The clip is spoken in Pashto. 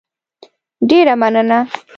ډېره مننه